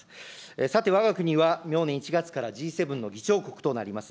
さて、わが国は明年１月からＧ７の議長国となります。